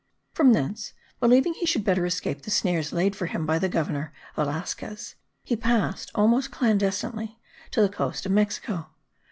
From thence, believing he should better escape the snares laid for him by the governor, Velasquez, he passed almost clandestinely to the coast of Mexico.